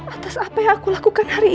atas apa yang aku lakukan hari ini